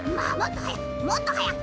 もっとはやく！